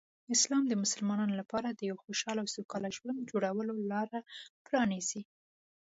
اسلام د مسلمانانو لپاره د یو خوشحال او سوکاله ژوند جوړولو لاره پرانیزي.